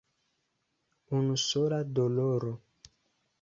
Unusola doloro?